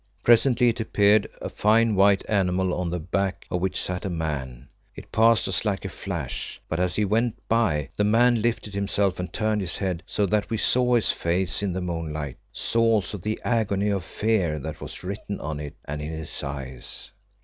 Presently it appeared, a fine, white animal, on the back of which sat a man. It passed us like a flash, but as he went by the man lifted himself and turned his head, so that we saw his face in the moonlight; saw also the agony of fear that was written on it and in his eyes.